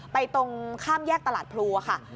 ตรงข้ามแยกตลาดพลูค่ะ